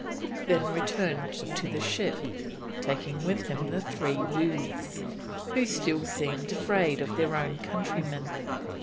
Cook then returned to the ship, taking with him the three youths, who still seemed afraid of their own countrymen.